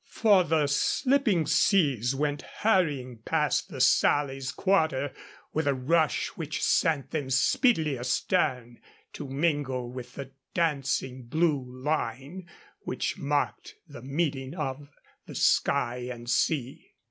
For the slipping seas went hurrying past the Sally's quarter with a rush which sent them speedily astern to mingle with the dancing blue line which marked the meeting of the sky and sea.